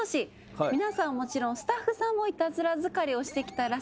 皆さんはもちろんスタッフさんもイタズラ疲れをしてきたらしいです。